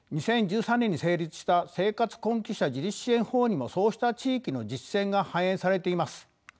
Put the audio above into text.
２０１３年に成立した「生活困窮者自立支援法」にもそうした地域の実践が反映されています。